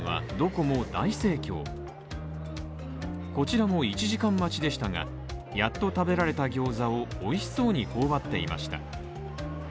こちらも１時間待ちでしたが、やっと食べられた餃子を美味しそうに頬張っていました。